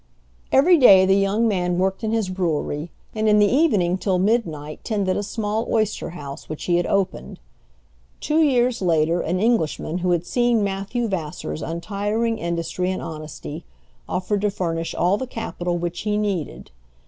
Every day the young man worked in his brewery, and in the evening till midnight tended a small oyster house, which he had opened. Two years later, an Englishman who had seen Matthew Vassar's untiring industry and honesty, offered to furnish all the capital which he needed.